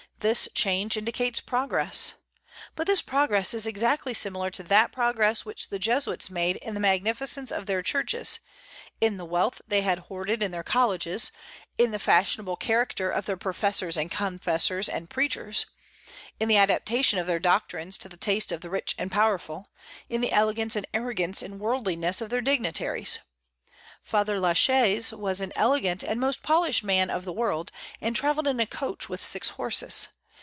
This change indicates progress." But this progress is exactly similar to that progress which the Jesuits made in the magnificence of their churches, in the wealth they had hoarded in their colleges, in the fashionable character of their professors and confessors and preachers, in the adaptation of their doctrines to the taste of the rich and powerful, in the elegance and arrogance and worldliness of their dignitaries. Father La Chaise was an elegant and most polished man of the world, and travelled in a coach with six horses.